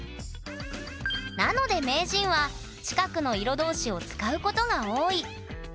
なので名人は近くの色同士を使うことが多い。